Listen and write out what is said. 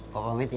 mau pamit ya